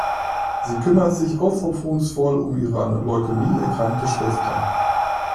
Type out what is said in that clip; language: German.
Sie kümmert sich aufopferungsvoll um ihre an Leukämie erkrankte Schwester.